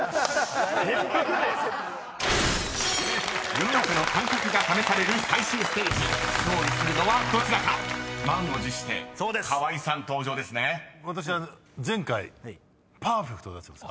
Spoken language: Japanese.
［世の中の感覚が試される最終ステージ］［勝利するのはどちらか⁉］［満を持して川合さん登場ですね］私前回ＰＥＲＦＥＣＴを出してます。